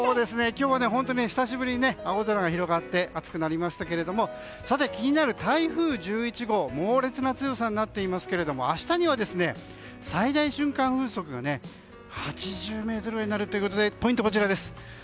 今日は本当に久しぶりに青空が広がって暑くなりましたけれども気になる台風１１号猛烈な強さになっていますが明日には最大瞬間風速が８０メートルになるということでポイントはこちらです。